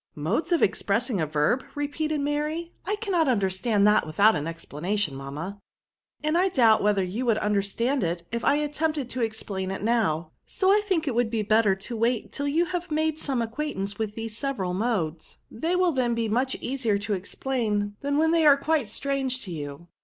" Modes of expressing a verb !" repeated Mary ;'* I cannot understand that without an explanation, mamma." " And I doubt whether you would under stand it, if I attempted to explain it now ; so I think it will be better to wait till you have made some acquaintance with these se veral modes ; they will then be much easier to explain than while they are quite strange to you."